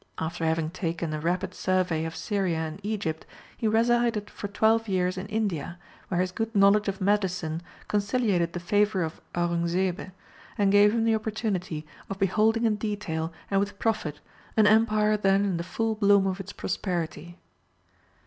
After having taken a rapid survey of Syria and Egypt, he resided for twelve years in India, where his good knowledge of medicine conciliated the favour of Aurung Zebe, and gave him the opportunity of beholding in detail, and with profit, an empire then in the full bloom of its prosperity.